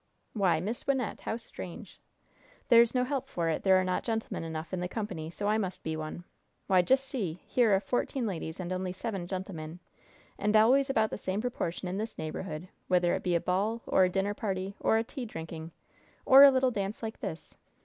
"Why, Miss Wynnette, how strange!" "There's no help for it; there are not gentlemen enough in the company, so I must be one! Why, just see, here are fourteen ladies and only seven gentlemen. And always about the same proportion in this neighborhood, whether it be a ball, or a dinner party, or a tea drinking, or a little dance like this.